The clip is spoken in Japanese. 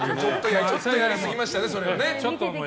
ちょっとやりすぎましたね。